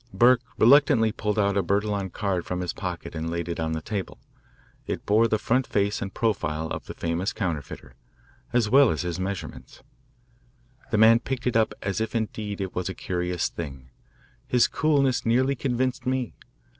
Burke reluctantly pulled out a Bertillon card from his pocket and laid it on the table. It bore the front face and profile of the famous counterfeiter, as well as his measurements. The man picked it up as if indeed it was a curious thing. His coolness nearly convinced me.